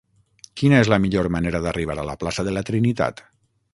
Quina és la millor manera d'arribar a la plaça de la Trinitat?